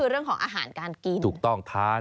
ก็คือเรื่องของอาหารการกิน